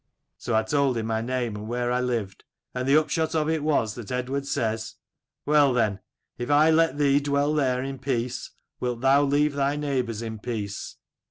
' "So I told him my name and where I lived : and the upshot of it was that Eadward says, 'Well then, if I let thee dwell there in peace, wilt thou leave thy neighbours in peace